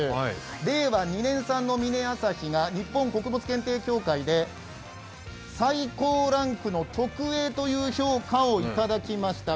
令和２年産のミネアサヒが日本穀物検定協会で最高ランクの特Ａという評価をいただきました。